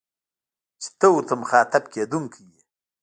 چي ته ورته مخاطب کېدونکی يې